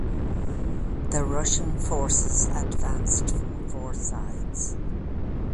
The Russian forces advanced from four sides.